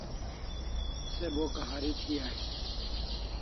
Se bo kahari thi ais